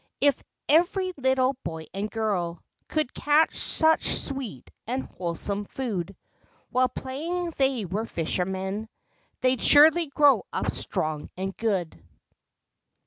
If every little boy and girl Could catch such sweet and wholesome food While playing they were fishermen, They'd surely grow up strong and good.